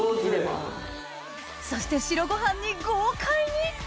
そして白ご飯に豪快に！